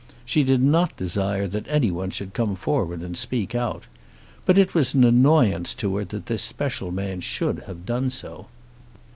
She did not desire that any one should come forward and speak out. But it was an annoyance to her that this special man should have done so.